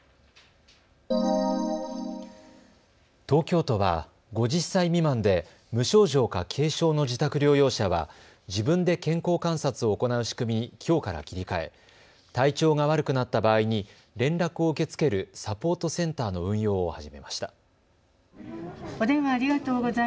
東京都は、５０歳未満で無症状か軽症の自宅療養者は自分で健康観察を行う仕組みにきょうから切り替え、体調が悪くなった場合に連絡を受け付けるサポートセンターの運用を始めました。